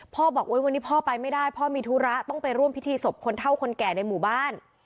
บอกวันนี้พ่อไปไม่ได้พ่อมีธุระต้องไปร่วมพิธีศพคนเท่าคนแก่ในหมู่บ้าน